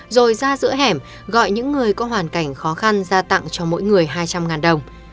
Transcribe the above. rồi ra giữa hẻm gọi những người có hoàn cảnh khó khăn ra tặng cho mỗi người hai trăm linh đồng